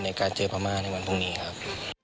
ในการเจอพม่าในวันพรุ่งนี้ครับ